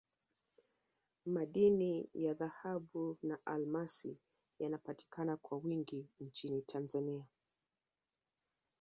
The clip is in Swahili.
madini ya dhahabu na almasi yanapatikana kwa wingi nchini tanzania